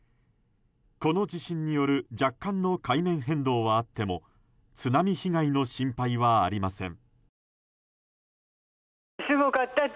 この地震による若干の海面変動はあっても津波被害の心配はありません。